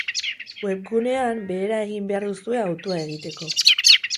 Webgunean behera egin behar duzue hautua egiteko.